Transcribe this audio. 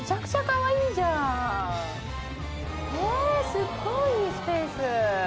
すごいいいスペース。